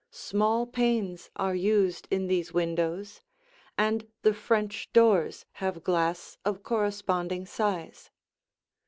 Small panes are used in these windows, and the French doors have glass of corresponding size.